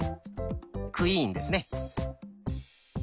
「クイーン」ですね。